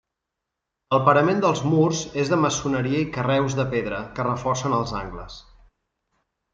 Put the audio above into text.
El parament dels murs és de maçoneria i carreus de pedra que reforcen els angles.